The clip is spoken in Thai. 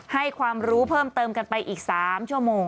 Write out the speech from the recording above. ให้ความรู้เพิ่มเติมกันไปอีก๓ชั่วโมง